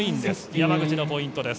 山口のポイントです。